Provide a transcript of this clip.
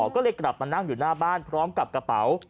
ก็เลยกลับมานั่งอยู่หน้าบ้านพร้อมกับกระเป๋า